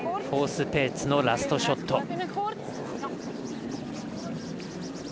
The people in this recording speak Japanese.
フォース、ペーツのラストショット。